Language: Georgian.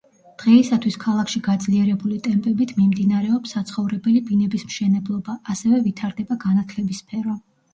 დღეისათვის ქალაქში გაძლიერებული ტემპებით მიმდინარეობს საცხოვრებელი ბინების მშენებლობა, ასევე ვითარდება განათლების სფერო.